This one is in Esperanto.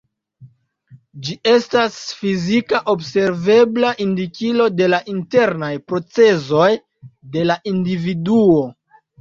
Ĝi estas fizika observebla indikilo de la internaj procezoj de la individuo.